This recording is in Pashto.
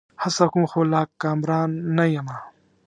هڅه کوم؛ خو لا کامران نه یمه